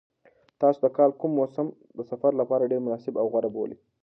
تاسو د کال کوم موسم د سفر لپاره ډېر مناسب او غوره بولئ؟